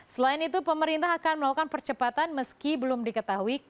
selain itu pemerintah akan melakukan percepatan meski belum diketahui